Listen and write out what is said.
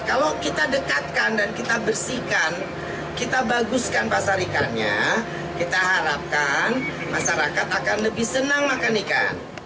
kalau kita dekatkan dan kita bersihkan kita baguskan pasar ikannya kita harapkan masyarakat akan lebih senang makan ikan